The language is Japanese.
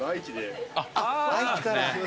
愛知から。